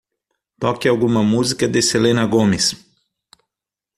Toque alguma música da Selena Gomez.